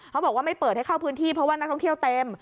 เขาบอกว่าไม่เปิดให้เข้าพื้นที่เพราะว่านักท่องเที่ยวเต็ม